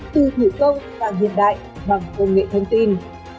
từ thủ công bằng hiện đại bằng công nghệ thông tin